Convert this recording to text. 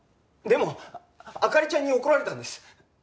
でも灯ちゃんに怒られたんです。